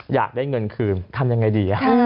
อยากได้เงินคืนทำยังไงดี